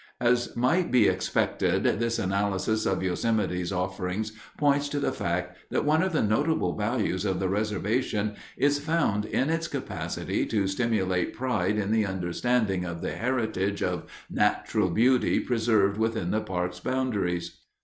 As might be expected this analysis of Yosemite's offerings points to the fact that one of the notable values of the reservation is found in its capacity to stimulate pride in and understanding of the heritage of natural beauty preserved within the park's boundaries.